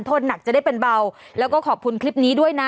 โทษหนักจะได้เป็นเบาแล้วก็ขอบคุณคลิปนี้ด้วยนะ